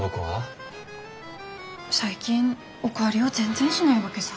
最近お代わりを全然しないわけさ。